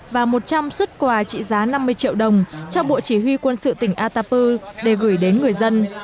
và một trăm linh xuất quà trị giá năm mươi triệu đồng cho bộ chỉ huy quân sự tỉnh atapu để gửi đến người dân